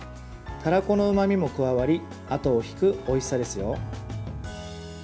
たらこのうまみも加わりあとを引くおいしさですよ。